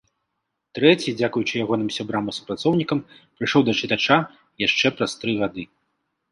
Трэці, дзякуючы ягоным сябрам і супрацоўнікам, прыйшоў да чытача яшчэ праз тры гады.